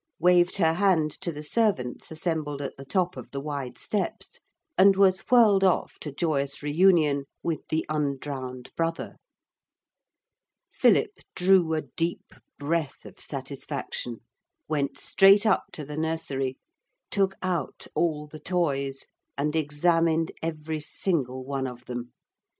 waved her hand to the servants assembled at the top of the wide steps, and was whirled off to joyous reunion with the undrowned brother. Philip drew a deep breath of satisfaction, went straight up to the nursery, took out all the toys, and examined every single one of them.